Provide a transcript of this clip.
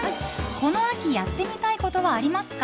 この秋やってみたいことはありますか？